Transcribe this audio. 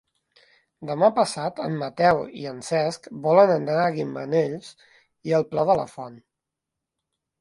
Demà passat en Mateu i en Cesc volen anar a Gimenells i el Pla de la Font.